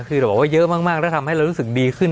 คือเราบอกว่าเยอะมากแล้วทำให้เรารู้สึกดีขึ้น